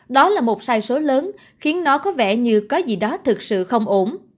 đó là một sai số lớn khiến nó có vẻ như có gì đó thực sự không ổn